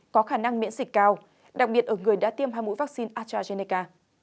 có khả năng miễn dịch cao đặc biệt ở người đã tiêm hai mũi vaccine astrazeneca